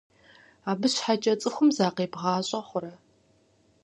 Абы щхьэкӏэ цӏыхум закъебгъащӏэ хъурэ?